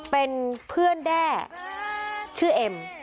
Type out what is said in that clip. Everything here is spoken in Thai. เป็นเพื่อนแด้ชื่อเอ็ม